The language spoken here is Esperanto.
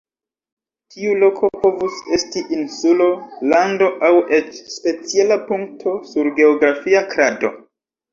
Tiu loko povus esti insulo, lando aŭ eĉ speciala punkto sur geografia krado.